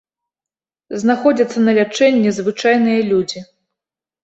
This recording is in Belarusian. Знаходзяцца на лячэнні звычайныя людзі.